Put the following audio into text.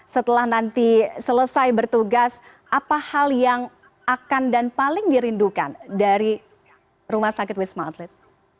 setelah nanti selesai bertugas apa hal yang akan dan paling dirindukan dari rumah sakit wisma atlet